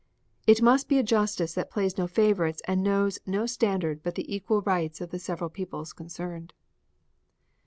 It must be a justice that plays no favorites and knows no standard but the equal rights of the several peoples concerned; 2.